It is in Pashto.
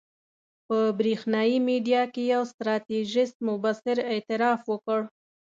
په برېښنایي میډیا کې یو ستراتیژیست مبصر اعتراف وکړ.